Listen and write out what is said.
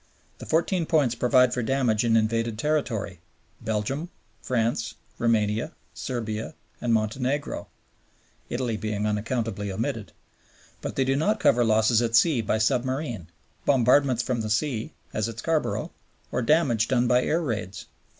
The Fourteen Points provide for damage in invaded territory Belgium, France, Roumania, Serbia, and Montenegro (Italy being unaccountably omitted) but they do not cover losses at sea by submarine, bombardments from the sea (as at Scarborough), or damage done by air raids.